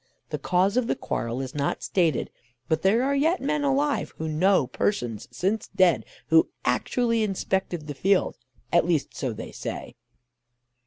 The cause of the quarrel is not stated, but there are yet men alive who knew persons since dead, who actually inspected the field at least so they say.